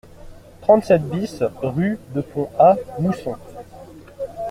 trente-sept BIS rue de Pont A Mousson